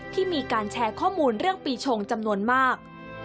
ที่มีการแชร์ข้อมูลเรื่องปีชงจำนวนมาก